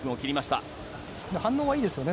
反応はいいですね。